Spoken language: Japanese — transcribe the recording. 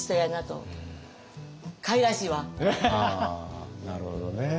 ああなるほどね。